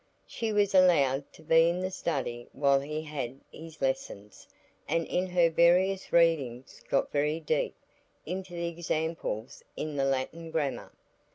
She was allowed to be in the study while he had his lessons, and in her various readings got very deep into the examples in the Latin Grammar.